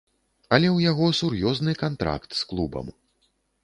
Але ў яго сур'ёзны кантракт з клубам.